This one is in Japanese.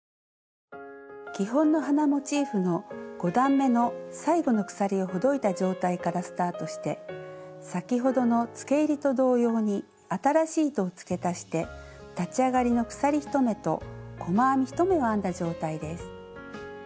基本の花モチーフの５段めの最後の鎖をほどいた状態からスタートして先ほどのつけえりと同様に新しい糸をつけ足して立ち上がりの鎖１目と細編み１目を編んだ状態です。